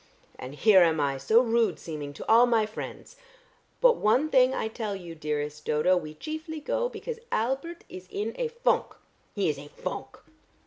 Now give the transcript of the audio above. And here am I so rude seeming to all my friends. But one thing I tell you, dearest Dodo; we chiefly go, because Albert is in a Fonk. He is a Fonk!"